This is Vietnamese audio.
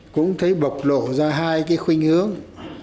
cũng thấy bộc lộ ra hai cái khuyênh hướng